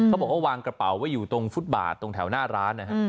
เขาบอกว่าวางกระเป๋าไว้อยู่ตรงฟุตบาทตรงแถวหน้าร้านนะฮะ